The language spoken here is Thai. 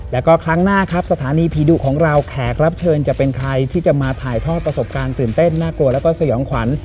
แล้วก็ครั้งหน้าครับสถานีผีดุของเราแขกรับเชิญจะเป็นใครที่จะมาถ่ายทอดประสบการณ์ตื่นเต้นน่ากลัวแล้วก็สยองขวัญ